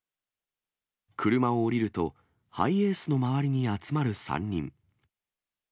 車を降りると、ハイエースの周りに集まる３人。